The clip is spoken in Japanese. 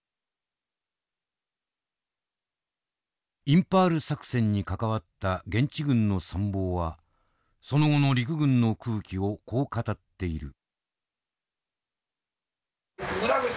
インパール作戦に関わった現地軍の参謀はその後の陸軍の空気をこう語っている。